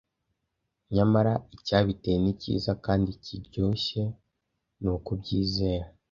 nyamara icyabiteye ni cyiza kandi kiryoshye nukubyizera